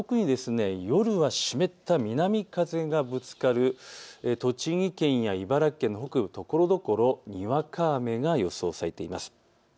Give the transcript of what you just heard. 特に夜は湿った南風がぶつかる栃木県、茨城県の北部、ところどころにわか雨が予想されています。